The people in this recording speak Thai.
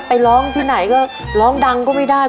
ไปร้องที่ไหนก็ร้องดังก็ไม่ได้